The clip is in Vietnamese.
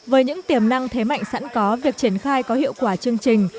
với những tiềm năng thế mạnh sẵn có việc triển khai có hiệu quả chương trình